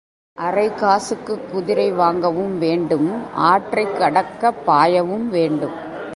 அரைக் காசுக்குக் குதிரை வாங்கவும் வேண்டும் ஆற்றைக் கடக்கப் பாயவும் வேண்டும்.